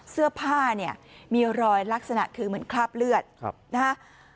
เสื้อผ้าเนี่ยมีรอยลักษณะคือเหมือนคราบเลือดนะฮะ